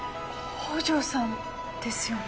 北條さんですよね？